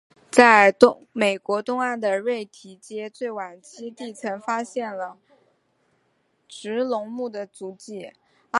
在美国东岸的瑞提阶最晚期地层发现了植龙目的足迹。